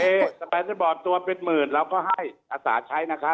เอ๊สำหรับที่บอกตัวเป็นหมื่นเราก็ให้อัตราใช้นะครับ